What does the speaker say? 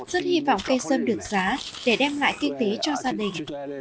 rất hy vọng cây sâm được giá để đem lại kinh tế cho gia đình